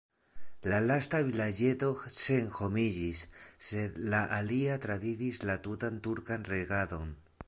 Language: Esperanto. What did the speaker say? La lasta vilaĝeto senhomiĝis, sed la alia travivis la tutan turkan regadon.